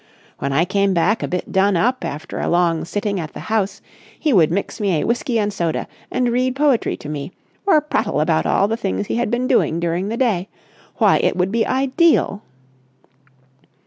When I came back a bit done up after a long sitting at the House, he would mix me a whisky and soda and read poetry to me or prattle about all the things he had been doing during the day.... Why, it would be ideal!"